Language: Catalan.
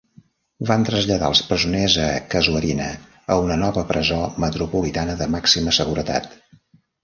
Van traslladar els presoners a Casuarina, a una nova presó metropolitana de màxima seguretat.